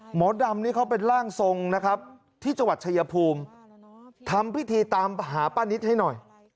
หมอดำนี่เขาเป็นร่างทรงนะครับที่จังหวัดชายภูมิทำพิธีตามหาป้านิตให้หน่อย